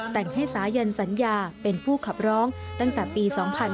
แต่งให้สายันสัญญาเป็นผู้ขับร้องตั้งแต่ปี๒๕๕๙